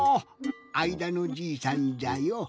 あいだのじいさんじゃよ。